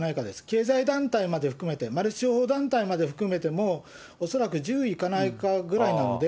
経済団体まで含めて、マルチ商法団体まで含めても、恐らく１０いかないかぐらいなので。